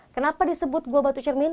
kenapa disebut gua batu cermin